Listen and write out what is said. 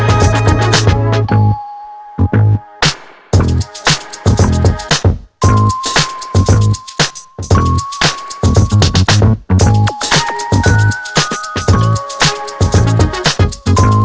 tante seorang ngechat gue semalam